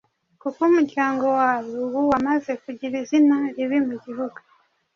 kuko umuryango wawe ubu wamaze kugira izina ribi mugihugu